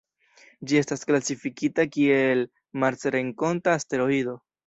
Ĝi estas klasifikita kiel marsrenkonta asteroido.